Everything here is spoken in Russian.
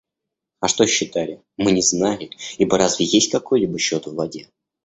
А что считали, мы не знали, ибо разве есть какой-либо счет в воде?